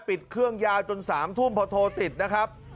ปิดเครื่องยาวจน๓ทุ่มพอโทรติดนะครับ